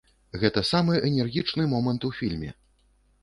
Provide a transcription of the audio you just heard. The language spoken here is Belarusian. Гэта самы энергічны момант у фільме.